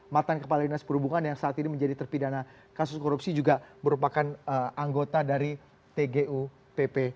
matan kepala dinas perhubungan yang saat ini menjadi terpidana kasus korupsi juga merupakan anggota dari tgupp